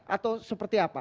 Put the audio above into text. atau seperti apa